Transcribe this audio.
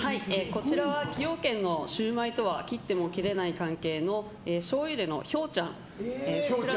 こちらは崎陽軒のシウマイとは切っても切れない関係のしょうゆ入れのひょうちゃん。